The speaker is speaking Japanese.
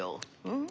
うん？